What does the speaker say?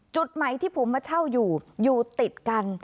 จุดใหม่ที่ผมมาเช่าอยู่อยู่ติดกัน